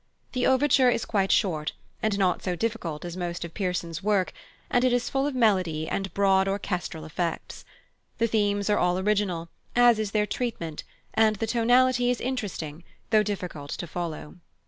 The overture is quite short and not so difficult as most of Pierson's work, and it is full of melody and broad orchestral effects. The themes are all original, as is their treatment, and the tonality is interesting though difficult to follow.